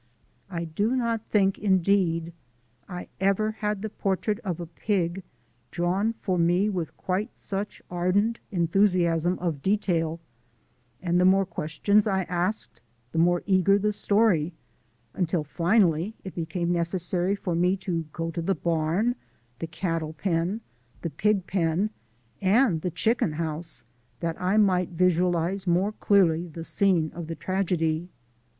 I do not think, indeed, I ever had the portrait of a pig drawn for me with quite such ardent enthusiasm of detail, and the more questions I asked the more eager the story, until finally it became necessary for me to go to the barn, the cattle pen, the pig pen and the chicken house, that I might visualize more clearly the scene of the tragedy.